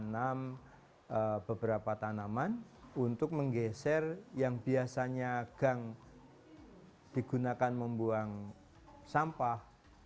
tanam beberapa tanaman untuk menggeser yang biasanya gang digunakan membuang sampah